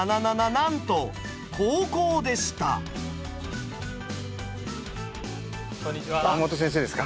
なんと高校でした山本先生ですか？